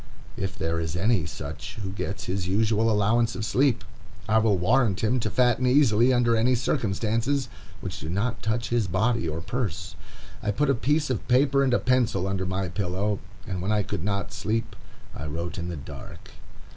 If there is any such who gets his usual allowance of sleep, I will warrant him to fatten easily under any circumstances which do not touch his body or purse. I put a piece of paper and a pencil under my pillow, and when I could not sleep, I wrote in the dark.